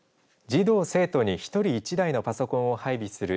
児童、生徒に１人１台のパソコンを配備するＧＩＧＡ